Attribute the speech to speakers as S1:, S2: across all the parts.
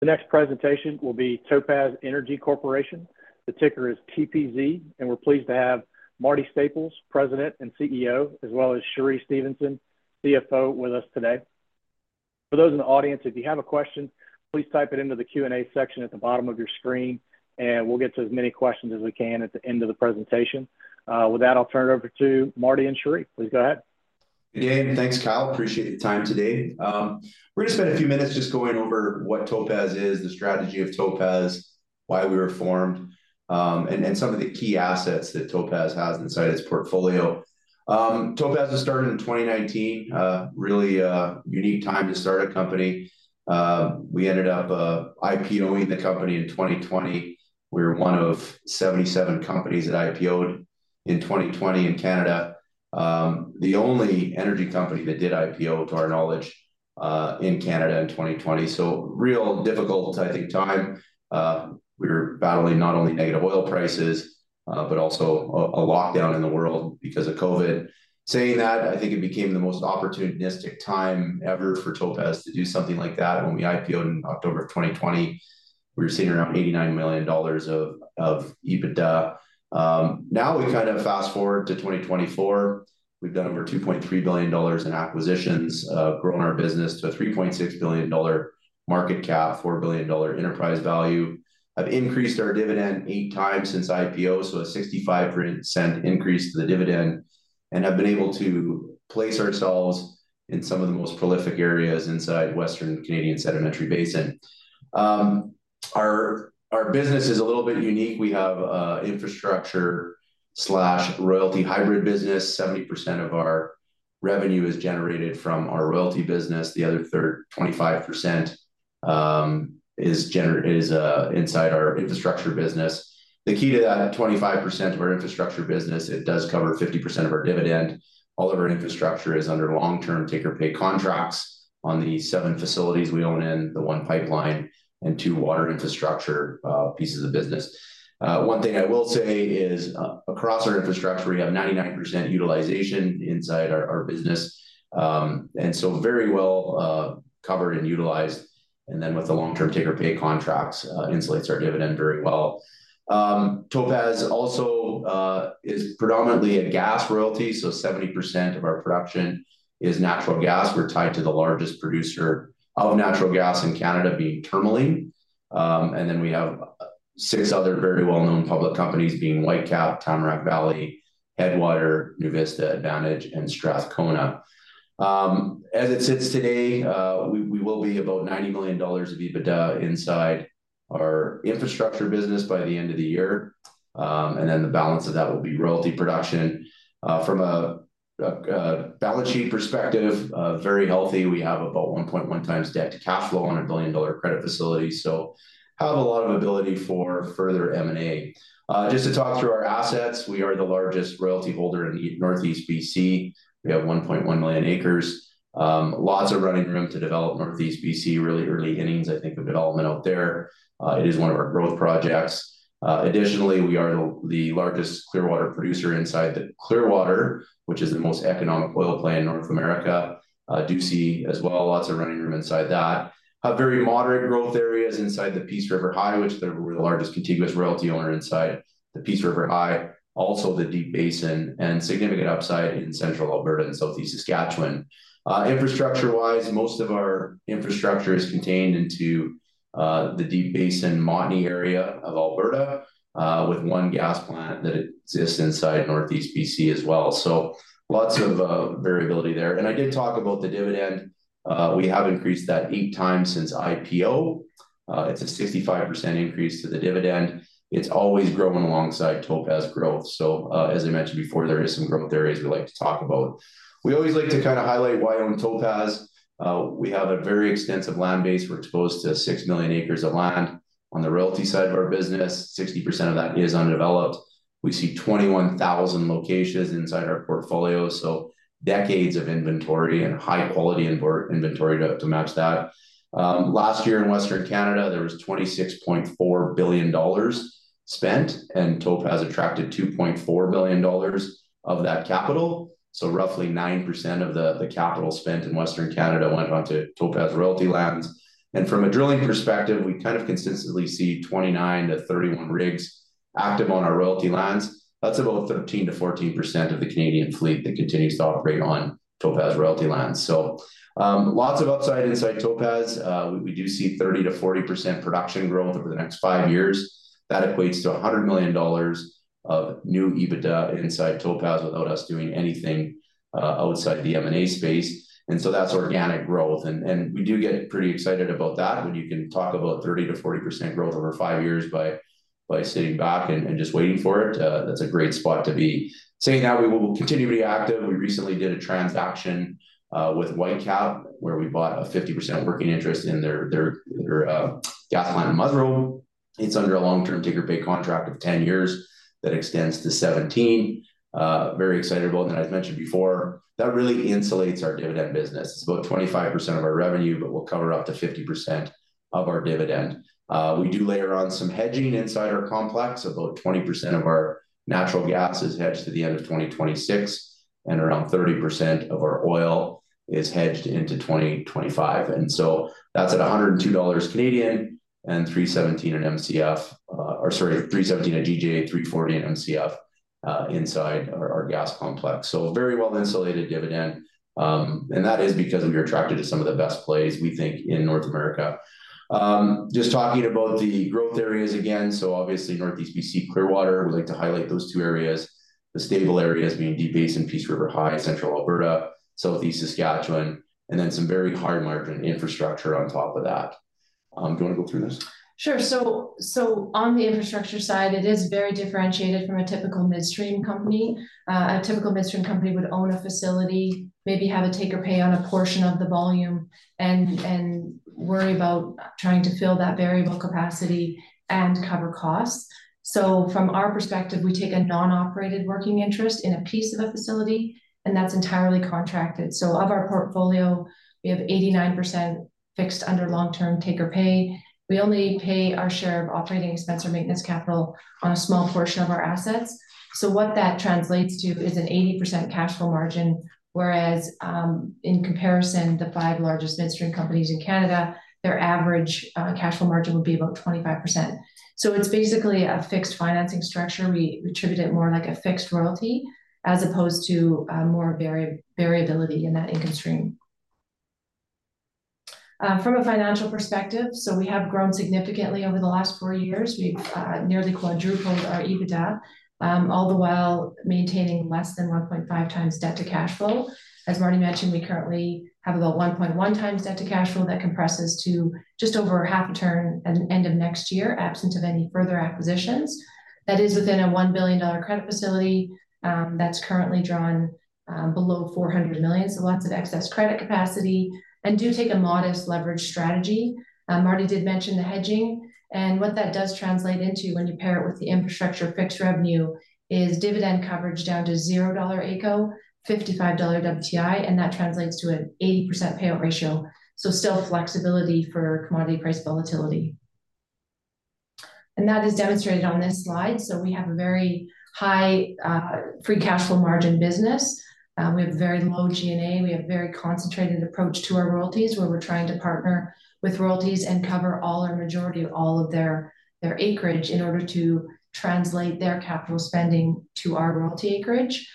S1: The next presentation will be Topaz Energy Corporation. The ticker is TPZ, and we're pleased to have Marty Staples, President and CEO, as well as Cheree Stephenson, CFO, with us today. For those in the audience, if you have a question, please type it into the Q&A section at the bottom of your screen, and we'll get to as many questions as we can at the end of the presentation. With that, I'll turn it over to Marty and Cheree. Please go ahead.
S2: Good day, and thanks, Kyle. Appreciate the time today. We're gonna spend a few minutes just going over what Topaz is, the strategy of Topaz, why we were formed, and some of the key assets that Topaz has inside its portfolio. Topaz was started in 2019, really a unique time to start a company. We ended up IPO-ing the company in 2020. We were one of 77 companies that IPO'd in 2020 in Canada. The only energy company that did IPO, to our knowledge, in Canada in 2020, so real difficult, I think, time. We were battling not only negative oil prices, but also a lockdown in the world because of COVID. Saying that, I think it became the most opportunistic time ever for Topaz to do something like that. When we IPO'd in October of 2020, we were seeing around 89 million dollars of EBITDA. Now we kind of fast-forward to 2024. We've done over 2.3 billion dollars in acquisitions, grown our business to a 3.6 billion dollar market cap, 4 billion dollar enterprise value. I've increased our dividend eight times since IPO, so a 65-cent increase to the dividend, and have been able to place ourselves in some of the most prolific areas inside Western Canadian Sedimentary Basin. Our business is a little bit unique. We have a infrastructure slash royalty hybrid business. 70% of our revenue is generated from our royalty business. The other third, 25%, is inside our infrastructure business. The key to that 25% of our infrastructure business, it does cover 50% of our dividend. All of our infrastructure is under long-term take-or-pay contracts on the seven facilities we own in, the one pipeline, and two water infrastructure, pieces of business. One thing I will say is, across our infrastructure, we have 99% utilization inside our business. And so very well covered and utilized, and then with the long-term take-or-pay contracts, insulates our dividend very well. Topaz also is predominantly a gas royalty, so 70% of our production is natural gas. We're tied to the largest producer of natural gas in Canada, being Tourmaline. And then we have six other very well-known public companies, being Whitecap, Tamarack Valley, Headwater, NuVista, Advantage, and Strathcona. As it sits today, we will be about 90 million dollars of EBITDA inside our infrastructure business by the end of the year. And then the balance of that will be royalty production. From a balance sheet perspective, very healthy. We have about 1.1 times debt to cash flow on a 1 billion dollar credit facility, so have a lot of ability for further M&A. Just to talk through our assets, we are the largest royalty holder in Northeast BC. We have 1.1 million acres. Lots of running room to develop Northeast BC, really early innings, I think, of development out there. It is one of our growth projects. Additionally, we are the largest Clearwater producer inside the Clearwater, which is the most economic oil play in North America. Do see, as well, lots of running room inside that. Have very moderate growth areas inside the Peace River High, which we're the largest contiguous royalty owner inside the Peace River High, also the Deep Basin, and significant upside in Central Alberta and Southeast Saskatchewan. Infrastructure-wise, most of our infrastructure is contained into the Deep Basin Montney area of Alberta, with one gas plant that exists inside Northeast BC as well, so lots of variability there. I did talk about the dividend. We have increased that eight times since IPO. It's a 65% increase to the dividend. It's always growing alongside Topaz growth. As I mentioned before, there is some growth areas we like to talk about. We always like to kind of highlight why own Topaz. We have a very extensive land base. We're exposed to six million acres of land. On the royalty side of our business, 60% of that is undeveloped. We see 21,000 locations inside our portfolio, so decades of inventory and high-quality inventory to match that. Last year in Western Canada, there was 26.4 billion dollars spent, and Topaz attracted 2.4 billion dollars of that capital. So roughly 9% of the capital spent in Western Canada went on to Topaz royalty lands. And from a drilling perspective, we kind of consistently see 29-31 rigs active on our royalty lands. That's about 13%-14% of the Canadian fleet that continues to operate on Topaz royalty lands. So, lots of upside inside Topaz. We do see 30%-40% production growth over the next five years. That equates to 100 million dollars of new EBITDA inside Topaz without us doing anything outside the M&A space, and so that's organic growth. We do get pretty excited about that. When you can talk about 30%-40% growth over five years by sitting back and just waiting for it, that's a great spot to be. Saying that, we will continue to be active. We recently did a transaction with Whitecap, where we bought a 50% working interest in their gas plant in Musreau. It's under a long-term take-or-pay contract of 10 years that extends to seventeen. Very excited about that. As I've mentioned before, that really insulates our dividend business. It's about 25% of our revenue, but we'll cover up to 50% of our dividend. We do layer on some hedging inside our complex. About 20% of our natural gas is hedged to the end of 2026, and around 30% of our oil is hedged into 2025. And so that's at 102 Canadian dollars, and 3.17 an Mcf, 3.17 a GJ, 3.40 an Mcf, inside our gas complex. So very well-insulated dividend, and that is because we're attracted to some of the best plays, we think, in North America. Just talking about the growth areas again, obviously Northeast BC Clearwater, we like to highlight those two areas. The stable areas being Deep Basin, Peace River High, Central Alberta, Southeast Saskatchewan, and then some very hard margin infrastructure on top of that. Do you wanna go through this?
S3: Sure. So on the infrastructure side, it is very differentiated from a typical midstream company. A typical midstream company would own a facility, maybe have a take or pay on a portion of the volume, and worry about trying to fill that variable capacity and cover costs. So from our perspective, we take a non-operated working interest in a piece of a facility, and that's entirely contracted. So of our portfolio, we have 89% fixed under long-term take or pay. We only pay our share of operating expense or maintenance capital on a small portion of our assets. So what that translates to is an 80% cash flow margin, whereas in comparison, the five largest midstream companies in Canada, their average cash flow margin would be about 25%. So it's basically a fixed financing structure. We treat it more like a fixed royalty, as opposed to, more variability in that income stream. From a financial perspective, so we have grown significantly over the last four years. We've nearly quadrupled our EBITDA, all the while maintaining less than 1.5 times debt to cash flow. As Marty mentioned, we currently have about 1.1 times debt to cash flow that compresses to just over half a turn at the end of next year, absent of any further acquisitions. That is within a 1 billion dollar credit facility, that's currently drawn below 400 million, so lots of excess credit capacity, and do take a modest leverage strategy. Marty did mention the hedging, and what that does translate into when you pair it with the infrastructure fixed revenue is dividend coverage down to $0 AECO, $55 WTI, and that translates to an 80% payout ratio, so still flexibility for commodity price volatility, and that is demonstrated on this slide. We have a very high free cash flow margin business. We have very low G&A. We have very concentrated approach to our royalties, where we're trying to partner with royalties and cover all or majority of all of their acreage in order to translate their capital spending to our royalty acreage.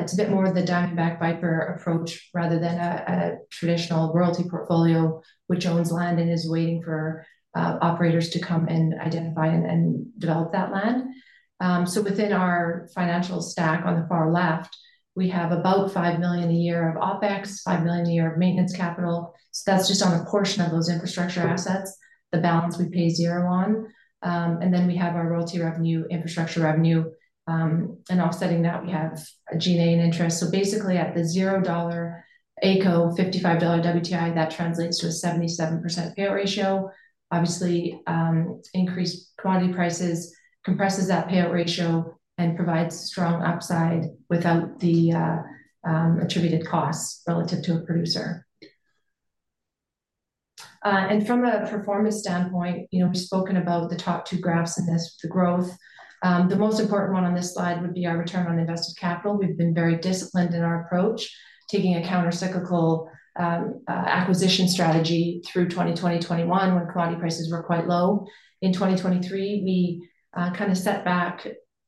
S3: It's a bit more of the Diamondback Viper approach, rather than a traditional royalty portfolio, which owns land and is waiting for operators to come and identify and develop that land. So within our financial stack on the far left, we have about five million a year of OpEx, five million a year of maintenance capital. So that's just on a portion of those infrastructure assets. The balance we pay zero on. And then we have our royalty revenue, infrastructure revenue, and offsetting that, we have a G&A and interest. So basically at the $0 AECO, $55 WTI, that translates to a 77% payout ratio. Obviously, increased commodity prices compresses that payout ratio and provides strong upside without the attributed costs relative to a producer. And from a performance standpoint, you know, we've spoken about the top two graphs in this, the growth. The most important one on this slide would be our return on invested capital. We've been very disciplined in our approach, taking a countercyclical acquisition strategy through 2020, 2021, when commodity prices were quite low. In 2023, we kind of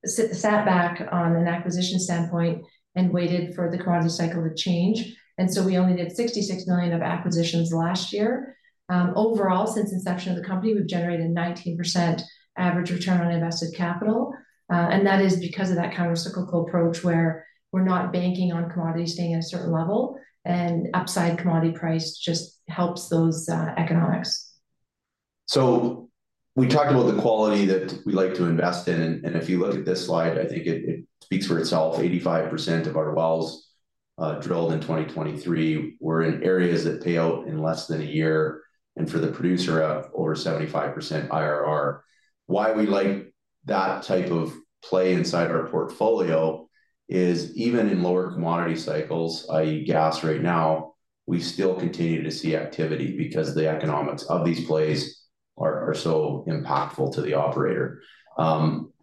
S3: sat back on an acquisition standpoint and waited for the commodity cycle to change, and so we only did 66 million of acquisitions last year. Overall, since inception of the company, we've generated 19% average return on invested capital, and that is because of that countercyclical approach, where we're not banking on commodity staying at a certain level, and upside commodity price just helps those economics.
S2: So we talked about the quality that we like to invest in, and if you look at this slide, I think it speaks for itself. 85% of our wells drilled in 2023 were in areas that pay out in less than a year, and for the producer over 75% IRR. Why we like that type of play inside our portfolio is even in lower commodity cycles, i.e., gas right now, we still continue to see activity because the economics of these plays are so impactful to the operator.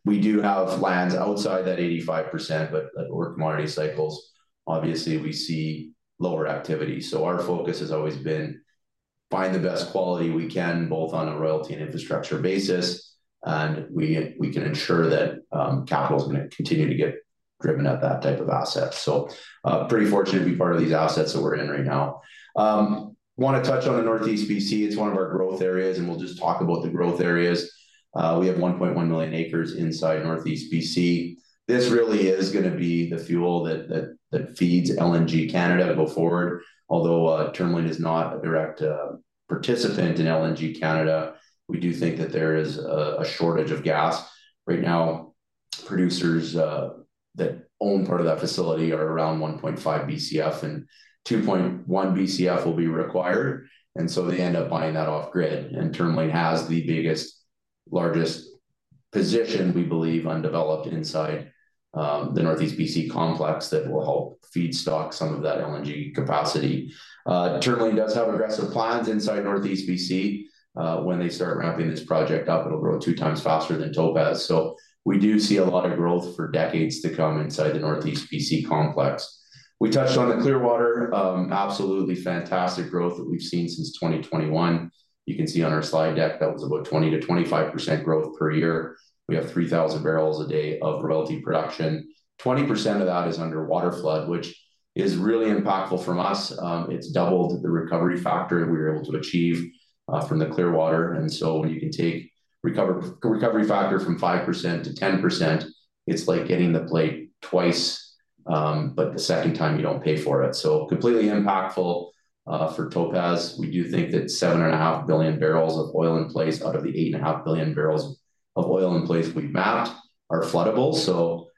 S2: We do have lands outside that 85%, but at lower commodity cycles, obviously, we see lower activity. So our focus has always been find the best quality we can, both on a royalty and infrastructure basis, and we can ensure that, capital's gonna continue to get driven up that type of asset. So, pretty fortunate to be part of these assets that we're in right now. Wanna touch on the Northeast BC. It's one of our growth areas, and we'll just talk about the growth areas. We have 1.1 million acres inside Northeast BC. This really is gonna be the fuel that feeds LNG Canada go forward. Although, Tourmaline is not a direct, participant in LNG Canada, we do think that there is a shortage of gas. Right now, producers that own part of that facility are around 1.5 Bcf, and 2.1 Bcf will be required, and so they end up buying that off grid, and Tourmaline has the largest position we believe undeveloped inside the Northeast BC complex that will help feedstock some of that LNG capacity. Tourmaline does have aggressive plans inside Northeast BC. When they start ramping this project up, it'll grow two times faster than Topaz, so we do see a lot of growth for decades to come inside the Northeast BC complex. We touched on the Clearwater, absolutely fantastic growth that we've seen since 2021. You can see on our slide deck that was about 20-25% growth per year. We have 3,000 barrels a day of royalty production. 20% of that is under waterflood, which is really impactful from us. It's doubled the recovery factor that we were able to achieve from the Clearwater, and so when you can take recovery factor from 5% to 10%, it's like hitting the play twice, but the second time you don't pay for it, so completely impactful for Topaz. We do think that seven and a half billion barrels of oil in place out of the eight and a half billion barrels of oil in place we've mapped are floodable, so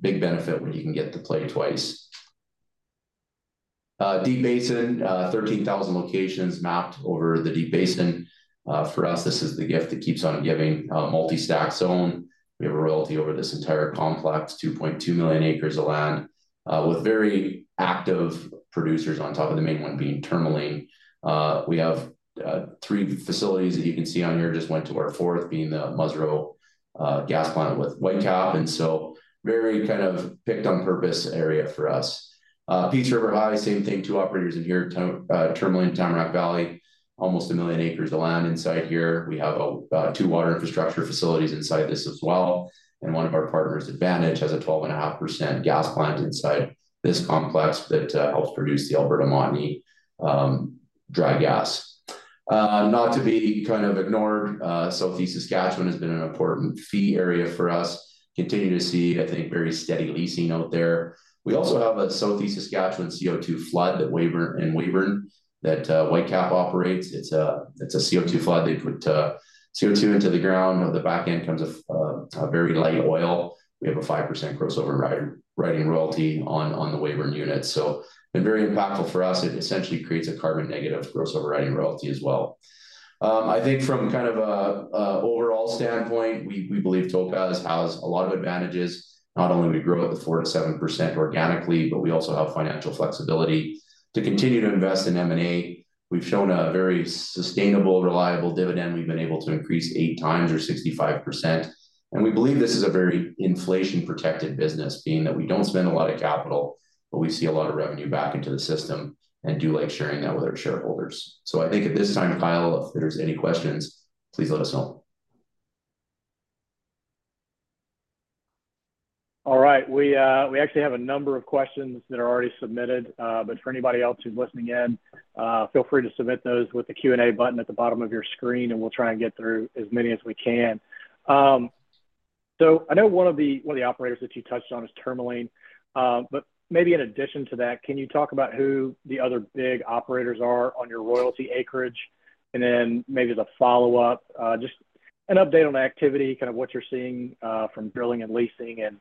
S2: big benefit when you can get to play twice. Deep Basin, 13,000 locations mapped over the Deep Basin. For us, this is the gift that keeps on giving, multi-stack zone. We have a royalty over this entire complex, 2.2 million acres of land, with very active producers on top, of the main one being Tourmaline. We have three facilities that you can see on here, just went to our fourth, being the Musreau gas plant with Whitecap, and so very kind of picked on purpose area for us. Peace River High, same thing, two operators in here, Tourmaline, Tamarack Valley, almost a million acres of land inside here. We have two water infrastructure facilities inside this as well, and one of our partners, Advantage, has a 12.5% gas plant inside this complex that helps produce the Alberta Montney dry gas. Not to be kind of ignored, Southeast Saskatchewan has been an important fee area for us. Continue to see, I think, very steady leasing out there. We also have a Southeast Saskatchewan CO2 flood at Weyburn, in Weyburn, that Whitecap operates. It's a, it's a CO2 flood. They put CO2 into the ground. On the back end comes a very light oil. We have a 5% gross overriding royalty on the Weyburn Unit, so been very impactful for us. It essentially creates a carbon negative gross overriding royalty as well. I think from kind of a overall standpoint, we believe Topaz has a lot of advantages. Not only do we grow at the 4%-7% organically, but we also have financial flexibility to continue to invest in M&A. We've shown a very sustainable, reliable dividend. We've been able to increase eight times or 65%, and we believe this is a very inflation-protected business, being that we don't spend a lot of capital, but we see a lot of revenue back into the system and do like sharing that with our shareholders. So I think at this time, Kyle, if there's any questions, please let us know.
S1: All right. We actually have a number of questions that are already submitted, but for anybody else who's listening in, feel free to submit those with the Q&A button at the bottom of your screen, and we'll try and get through as many as we can. So I know one of the operators that you touched on is Tourmaline, but maybe in addition to that, can you talk about who the other big operators are on your royalty acreage? And then maybe the follow-up, just an update on activity, kind of what you're seeing, from drilling and leasing and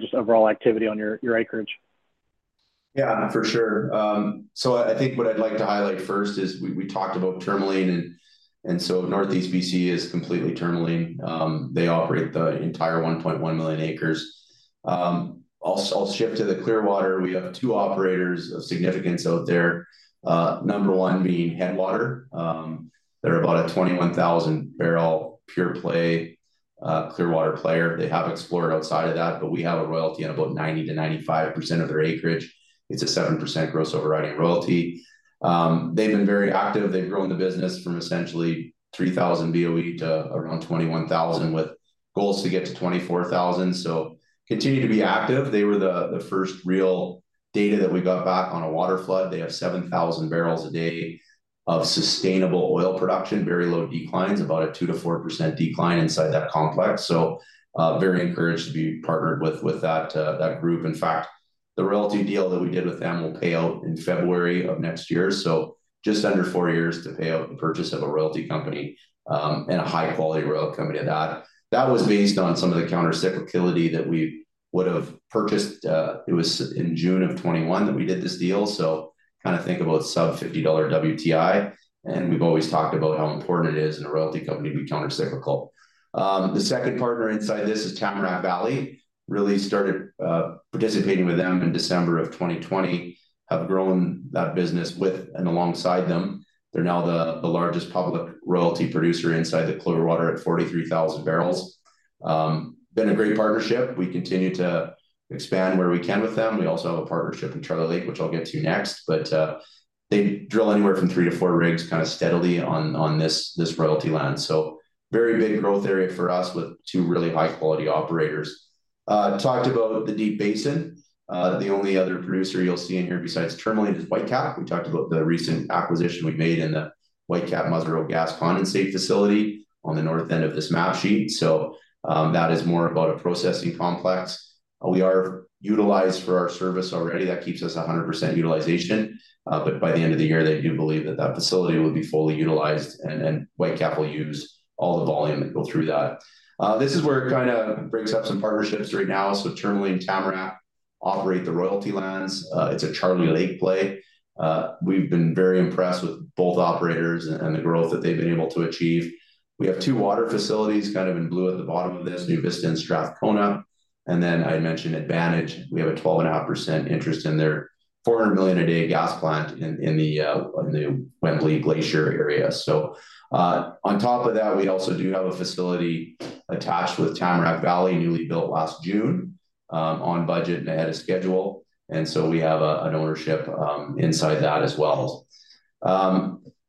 S1: just overall activity on your acreage.
S2: Yeah, for sure. So I think what I'd like to highlight first is we talked about Tourmaline, and so Northeast BC is completely Tourmaline. They operate the entire 1.1 million acres. I'll shift to the Clearwater. We have two operators of significance out there, number one being Headwater. They're about a 21,000-barrel, pure play, Clearwater player. They have explored outside of that, but we have a royalty on about 90-95% of their acreage. It's a 7% gross overriding royalty. They've been very active. They've grown the business from essentially 3,000 BOE to around 21,000, with goals to get to 24,000, so continue to be active. They were the first real data that we got back on a waterflood. They have seven thousand barrels a day of sustainable oil production, very low declines, about a 2%-4% decline inside that complex, so very encouraged to be partnered with that group. In fact, the royalty deal that we did with them will pay out in February of next year, so just under four years to pay out the purchase of a royalty company, and a high-quality royalty company at that. That was based on some of the countercyclicity that we would have purchased. It was in June of 2021 that we did this deal, so kind of think about sub-$50 WTI, and we've always talked about how important it is in a royalty company to be countercyclical. The second partner inside this is Tamarack Valley. Really started participating with them in December of 2020, have grown that business with and alongside them. They're now the largest public royalty producer inside the Clearwater at 43,000 barrels. Been a great partnership. We continue to expand where we can with them. We also have a partnership in Charlie Lake, which I'll get to next, but they drill anywhere from 3-4 rigs kind of steadily on this royalty land. So very big growth area for us with two really high-quality operators. Talked about the Deep Basin. The only other producer you'll see in here besides Tourmaline is Whitecap. We talked about the recent acquisition we made in the Whitecap Musreau gas condensate facility on the north end of this map sheet. So that is more about a processing complex. We are utilized for our service already. That keeps us 100% utilization, but by the end of the year, they do believe that that facility will be fully utilized, and then Whitecap will use all the volume that go through that. This is where it kind of brings up some partnerships right now, so Tourmaline, Tamarack operate the royalty lands. It's a Charlie Lake play. We've been very impressed with both operators and the growth that they've been able to achieve. We have two water facilities, kind of in blue at the bottom of this, NuVista and Strathcona, and then I mentioned Advantage. We have a 12.5% interest in their 400 million a day gas plant in the Wembley Glacier area. So, on top of that, we also do have a facility attached with Tamarack Valley, newly built last June, on budget and ahead of schedule, and so we have an ownership inside that as well.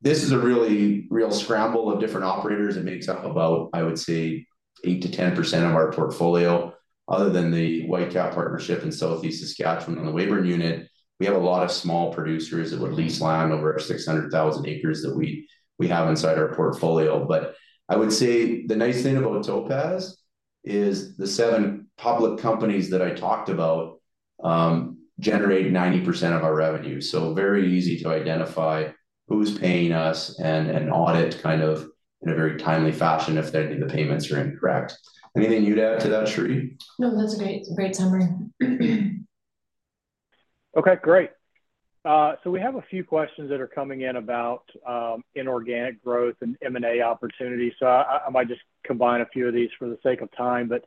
S2: This is a real scramble of different operators. It makes up about, I would say, 8%-10% of our portfolio. Other than the Whitecap partnership in Southeast Saskatchewan on the Weyburn Unit, we have a lot of small producers that would lease land over 600,000 acres that we have inside our portfolio. But I would say the nice thing about Topaz is the seven public companies that I talked about generate 90% of our revenue. So very easy to identify who's paying us and audit kind of in a very timely fashion if any of the payments are incorrect. Anything you'd add to that, Cheree?
S3: No, that's a great, great summary.
S1: Okay, great. So we have a few questions that are coming in about inorganic growth and M&A opportunities. So I might just combine a few of these for the sake of time. But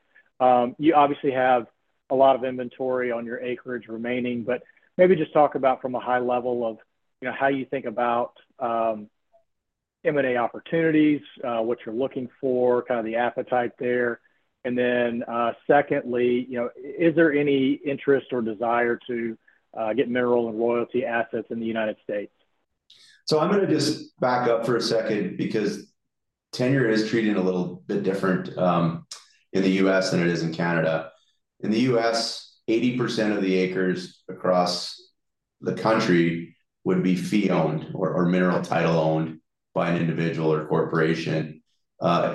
S1: you obviously have a lot of inventory on your acreage remaining, but maybe just talk about from a high level of, you know, how you think about M&A opportunities, what you're looking for, kind of the appetite there. And then, secondly, you know, is there any interest or desire to get mineral and royalty assets in the United States?
S2: So I'm gonna just back up for a second, because tenure is treated a little bit different in the U.S. than it is in Canada. In the U.S., 80% of the acres across the country would be fee owned or mineral title owned by an individual or corporation. The other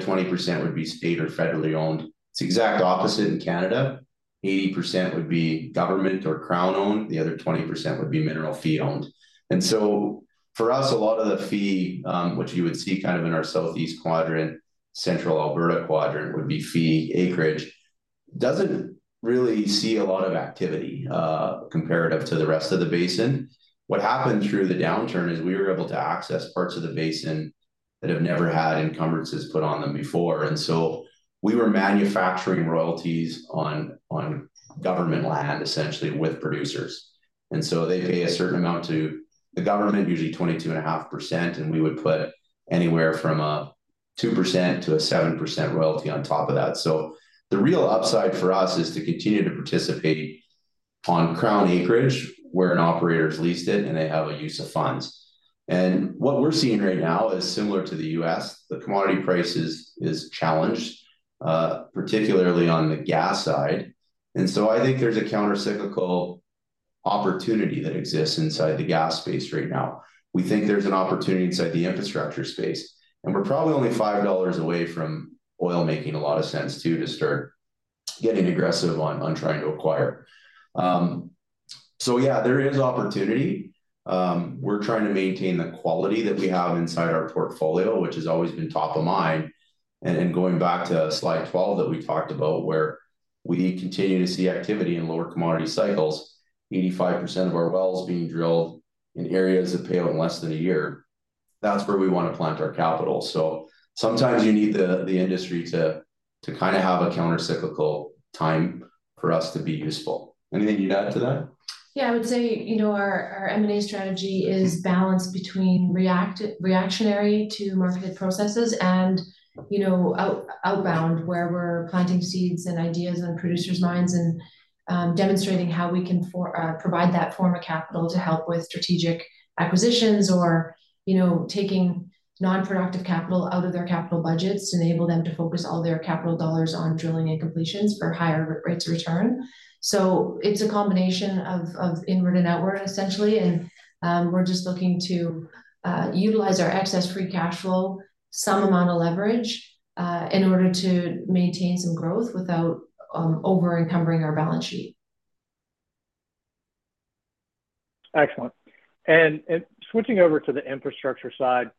S2: 20% would be state or federally owned. It's the exact opposite in Canada, 80% would be government or Crown owned, the other 20% would be mineral fee owned. And so for us, a lot of the fee, which you would see kind of in our southeast quadrant, Central Alberta quadrant, would be fee acreage. It doesn't really see a lot of activity comparative to the rest of the basin. What happened through the downturn is we were able to access parts of the basin that have never had encumbrances put on them before, and so we were manufacturing royalties on government land, essentially with producers, and so they pay a certain amount to the government, usually 22.5%, and we would put anywhere from 2%-7% royalty on top of that, so the real upside for us is to continue to participate on Crown acreage, where an operator's leased it, and they have a use of funds, and what we're seeing right now is similar to the U.S., the commodity prices is challenged, particularly on the gas side, and so I think there's a countercyclical opportunity that exists inside the gas space right now. We think there's an opportunity inside the infrastructure space, and we're probably only $5 away from oil, making a lot of sense, too, to start getting aggressive on trying to acquire, so yeah, there is opportunity. We're trying to maintain the quality that we have inside our portfolio, which has always been top of mind, and going back to slide 12 that we talked about, where we continue to see activity in lower commodity cycles, 85% of our wells being drilled in areas that pay out in less than a year. That's where we want to plant our capital, so sometimes you need the industry to kind of have a countercyclical time for us to be useful. Anything you'd add to that?
S3: Yeah, I would say, you know, our M&A strategy is balanced between reactionary to marketed processes and, you know, outbound, where we're planting seeds and ideas on producers' minds and demonstrating how we can provide that form of capital to help with strategic acquisitions or, you know, taking non-productive capital out of their capital budgets to enable them to focus all their capital dollars on drilling and completions for higher rates of return. So it's a combination of inward and outward, essentially, and we're just looking to utilize our excess free cash flow, some amount of leverage, in order to maintain some growth without over-encumbering our balance sheet.
S1: Excellent. And switching over to the infrastructure side,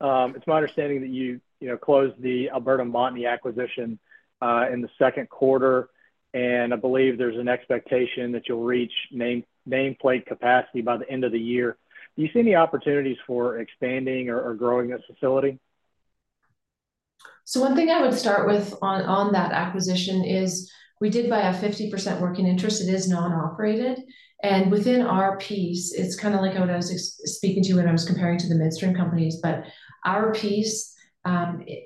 S1: it's my understanding that you know closed the Alberta Montney acquisition in the second quarter, and I believe there's an expectation that you'll reach nameplate capacity by the end of the year. Do you see any opportunities for expanding or growing that facility?
S3: One thing I would start with on that acquisition is we did buy a 50% working interest. It is non-operated, and within our piece, it's kind of like what I was speaking to when I was comparing to the midstream companies. But our piece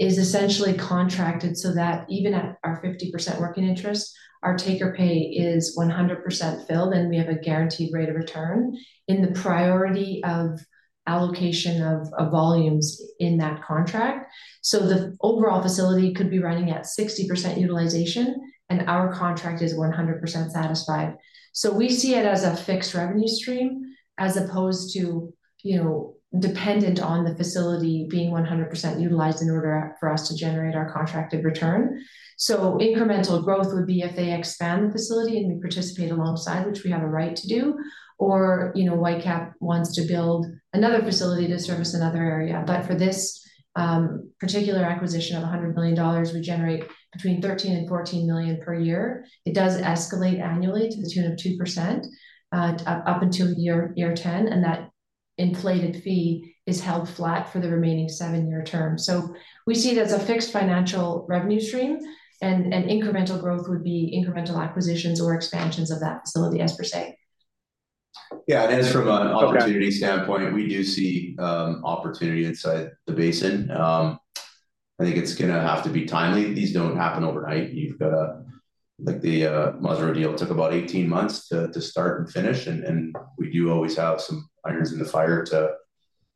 S3: is essentially contracted, so that even at our 50% working interest, our take-or-pay is 100% filled, and we have a guaranteed rate of return in the priority of allocation of volumes in that contract. So the overall facility could be running at 60% utilization, and our contract is 100% satisfied. So we see it as a fixed revenue stream as opposed to, you know, dependent on the facility being 100% utilized in order for us to generate our contracted return. Incremental growth would be if they expand the facility and we participate alongside, which we have a right to do, or, you know, Whitecap wants to build another facility to service another area. But for this particular acquisition of 100 million dollars, we generate between 13 and 14 million per year. It does escalate annually to the tune of 2%, up until year ten, and that inflated fee is held flat for the remaining seven-year term. So we see it as a fixed financial revenue stream, and incremental growth would be incremental acquisitions or expansions of that facility as per se.
S2: Yeah, and as from an opportunity standpoint, we do see opportunity inside the basin. I think it's gonna have to be timely. These don't happen overnight. You've got to like, the Musreau deal took about 18 months to start and finish, and we do always have some irons in the fire to,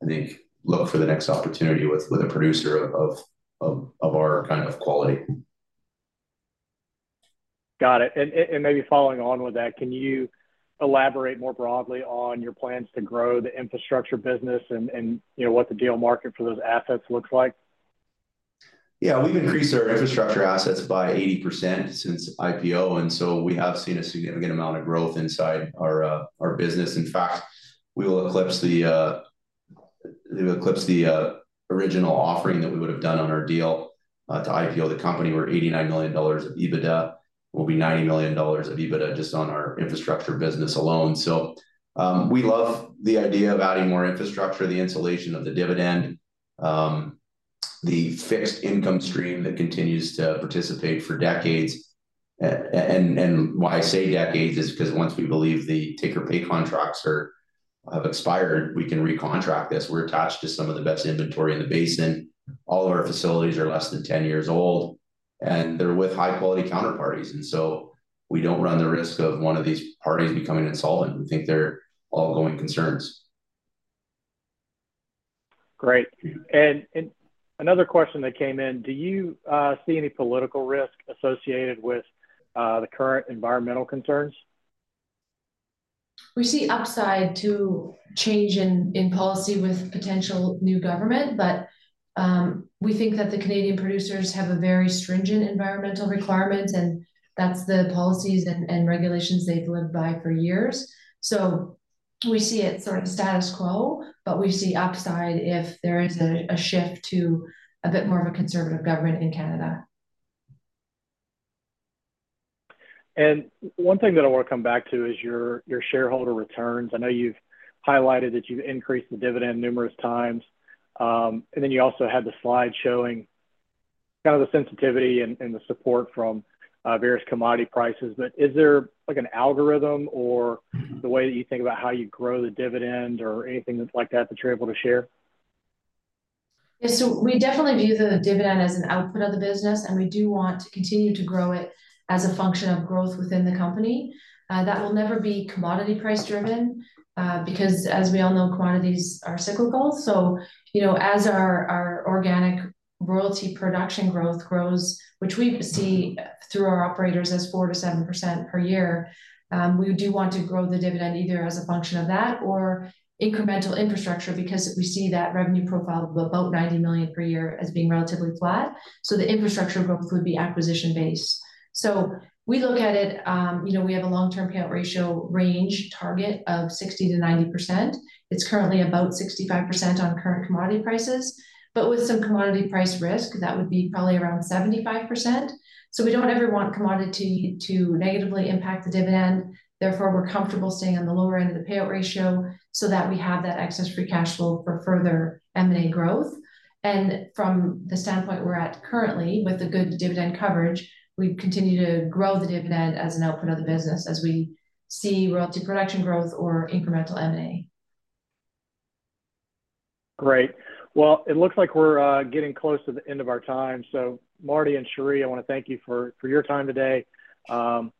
S2: I think, look for the next opportunity with a producer of our kind of quality.
S1: Got it. And maybe following on with that, can you elaborate more broadly on your plans to grow the infrastructure business and, you know, what the deal market for those assets looks like?
S2: Yeah, we've increased our infrastructure assets by 80% since IPO, and so we have seen a significant amount of growth inside our business. In fact, we will eclipse the original offering that we would have done on our deal to IPO the company, where 89 million dollars of EBITDA will be 90 million dollars of EBITDA just on our infrastructure business alone. So, we love the idea of adding more infrastructure, the insulation of the dividend, the fixed income stream that continues to participate for decades. And why I say decades is because once we believe the take-or-pay contracts have expired, we can recontract this. We're attached to some of the best inventory in the basin. All of our facilities are less than 10 years old, and they're with high-quality counterparties. And so we don't run the risk of one of these parties becoming insolvent. We think they're all going concerns.
S1: Great. And another question that came in, "Do you see any political risk associated with the current environmental concerns?
S3: We see upside to change in policy with potential new government, but we think that the Canadian producers have a very stringent environmental requirement, and that's the policies and regulations they've lived by for years. So we see it sort of status quo, but we see upside if there is a shift to a bit more of a conservative government in Canada.
S1: One thing that I want to come back to is your, your shareholder returns. I know you've highlighted that you've increased the dividend numerous times, and then you also had the slide showing kind of the sensitivity and the support from various commodity prices. But is there, like, an algorithm or the way that you think about how you grow the dividend or anything that's like that, that you're able to share?
S3: Yeah, so we definitely view the dividend as an output of the business, and we do want to continue to grow it as a function of growth within the company. That will never be commodity price driven, because as we all know, commodities are cyclical. So, you know, as our organic royalty production growth grows, which we see through our operators as 4-7% per year, we do want to grow the dividend either as a function of that or incremental infrastructure, because we see that revenue profile of about 90 million per year as being relatively flat. So the infrastructure growth would be acquisition-based. So we look at it, you know, we have a long-term payout ratio range target of 60-90%. It's currently about 65% on current commodity prices, but with some commodity price risk, that would be probably around 75%. So we don't ever want commodity to negatively impact the dividend. Therefore, we're comfortable staying on the lower end of the payout ratio so that we have that excess free cash flow for further M&A growth. And from the standpoint we're at currently, with the good dividend coverage, we continue to grow the dividend as an output of the business, as we see royalty production growth or incremental M&A.
S1: Great. Well, it looks like we're getting close to the end of our time. So Marty and Cheree, I want to thank you for your time today. Excuse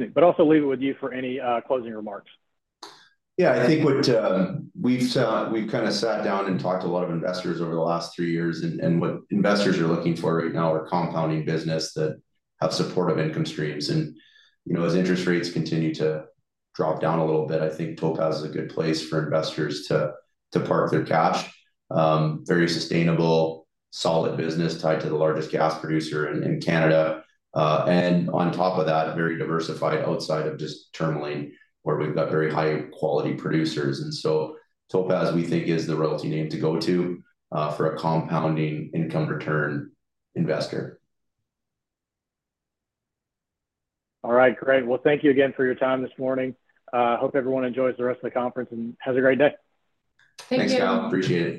S1: me, but also leave it with you for any closing remarks.
S2: Yeah, I think we've kind of sat down and talked to a lot of investors over the last three years, and what investors are looking for right now are compounding business that have supportive income streams. You know, as interest rates continue to drop down a little bit, I think Topaz is a good place for investors to park their cash. Very sustainable, solid business tied to the largest gas producer in Canada. On top of that, very diversified outside of just Musreau, where we've got very high-quality producers. So Topaz, we think, is the royalty name to go to for a compounding income return investor.
S1: All right, great. Well, thank you again for your time this morning. I hope everyone enjoys the rest of the conference and has a great day.
S3: Thank you.
S2: Thanks, Kyle. Appreciate it.